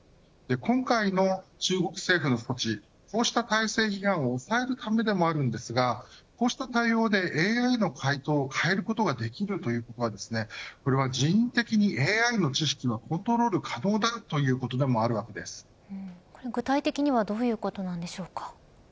今回の中国政府の措置こうした体制批判を抑えるためでもあるんですがこうした対応でＡＩの回答を変えることができるということはこれは人為的にＡＩの知識はコントロール可能ということでも具体的にはどういうことなんでしょうか。